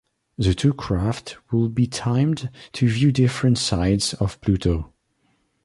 The two craft would be timed to view different sides of Pluto.